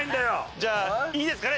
じゃあいいですかね。